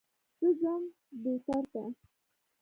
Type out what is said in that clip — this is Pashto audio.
زه ځم دوتر ته.